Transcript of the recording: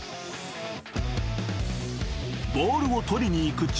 ［ボールを取りに行く父。